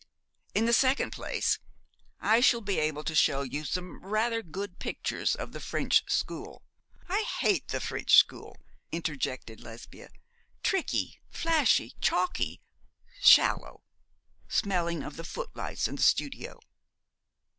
In the second place, I shall be able to show you some rather good pictures of the French school ' 'I hate the French school!' interjected Lesbia. 'Tricky, flashy, chalky, shallow, smelling of the footlights and the studio.'